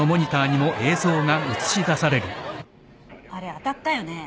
あれ当たったよね。